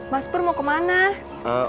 mas pur mau kemana